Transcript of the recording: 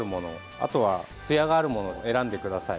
あとは、つやがあるものを選んでください。